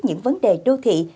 những vấn đề đô thị